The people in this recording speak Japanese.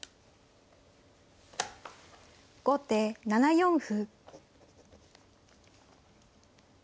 後手７四歩。